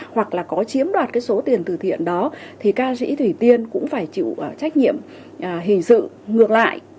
hoặc là có chiếm đoạt cái số tiền từ thiện đó thì ca sĩ thủy tiên cũng phải chịu trách nhiệm hình sự ngược lại